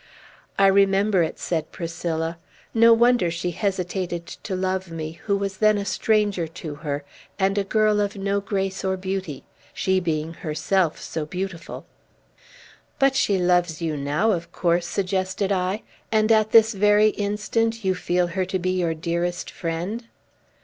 "I remember it," said Priscilla. "No wonder she hesitated to love me, who was then a stranger to her, and a girl of no grace or beauty, she being herself so beautiful!" "But she loves you now, of course?" suggested I. "And at this very instant you feel her to be your dearest friend?"